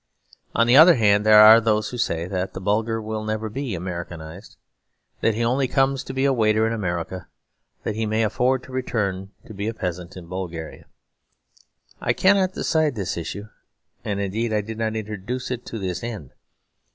On the other hand, there are those who say that the Bulgar will never be Americanised, that he only comes to be a waiter in America that he may afford to return to be a peasant in Bulgaria. I cannot decide this issue, and indeed I did not introduce it to this end.